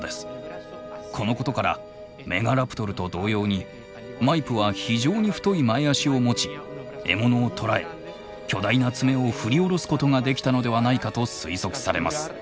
このことからメガラプトルと同様にマイプは非常に太い前あしを持ち獲物を捕らえ巨大な爪を振り下ろすことができたのではないかと推測されます。